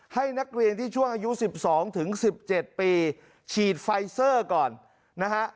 ให้นักเรียนที่ช่วงอายุ๑๒ถึง๑๗ปีฉีดไฟเซอร์ก่อนนะฮะ